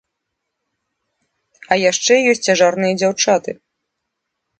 А яшчэ ёсць цяжарныя дзяўчаты.